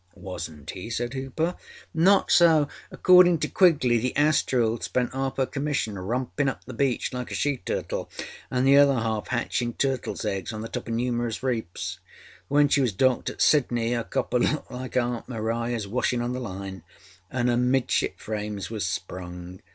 â âWasnât he?â said Hooper. âNot so. Accordinâ to Quigley the Astrild spent half her commission rompinâ up the beach like a she turtle, anâ the other half hatching turtlesâ eggs on the top oâ numerous reefs. When she was docked at Sydney her copper looked like Aunt Mariaâs washing on the lineâanâ her âmidship frames was sprung.